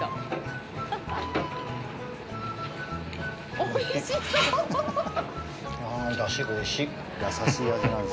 おいしい。